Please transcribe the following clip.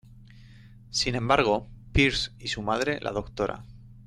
Sin embargo Pierce y su madre la Dra.